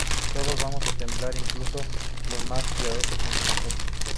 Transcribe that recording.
Todos vamos a temblar, incluso los más piadosos entre nosotros".